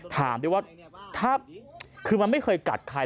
ถามด้วยว่าถ้าคือมันไม่เคยกัดใคร